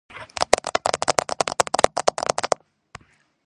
მდებარეობს ქვეყნის ჩრდილო-დასავლეთით.